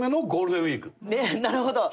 なるほど。